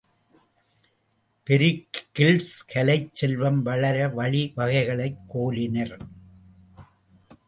Pericles கலைச் செல்வம் வளர வழி வகைகளைக் கோலினர்.